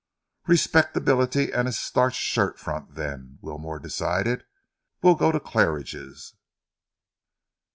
"Respectability and a starched shirt front, then," Wilmore decided. "We'll go to Claridge's."